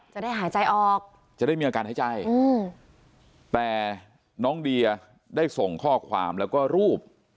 จะได้หายใจออกจะได้มีอาการหายใจแต่น้องเดียได้ส่งข้อความแล้วก็รูป